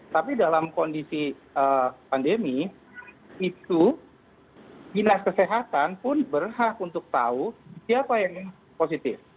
tapi dalam kondisi pandemi itu dinas kesehatan pun berhak untuk tahu siapa yang positif